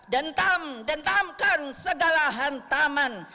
dentam dentamkan segala hantaman